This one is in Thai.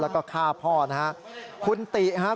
แล้วก็ฆ่าพ่อนะครับ